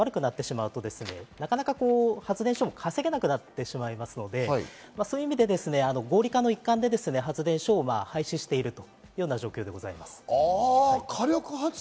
そうすると稼働率が悪くなってしまうと、なかなか発電所もかつげなくなってしまうので、そういう意味で合理化の一環で発電所を廃止しているという状況です。